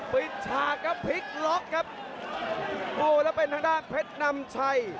ปิดฉากครับพลิกกล๊อกครับโอ้โหแล้วเป็นข้างหน้าแพทย์น้ำชัย